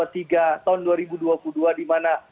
tiga tahun dua ribu dua puluh dua dimana